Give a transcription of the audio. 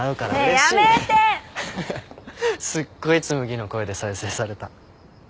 すっごい紬の声で再生された。